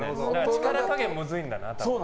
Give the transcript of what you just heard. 力加減、むずいんだな。